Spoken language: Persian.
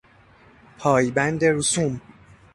پایبند رسوم